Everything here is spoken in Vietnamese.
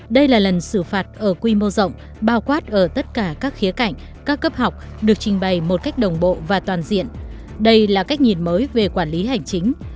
được trình bày một cách đồng bộ và toàn diện đây là cách nhìn mới về quản lý hành chính